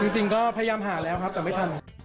จริงก็พยายามหาแล้วครับแต่ไม่ทัน